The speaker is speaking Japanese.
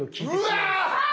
うわ！